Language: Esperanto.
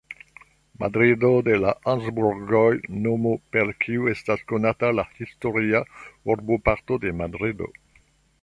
Madrido de la Habsburgoj, nomo per kiu estas konata la historia urboparto de Madrido.